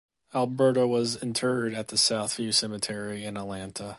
Alberta was interred at the South View Cemetery in Atlanta.